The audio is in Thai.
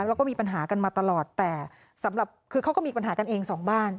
แล้วก็มีปัญหากันมาตลอดแต่สำหรับคือเขาก็มีปัญหากันเองสองบ้าน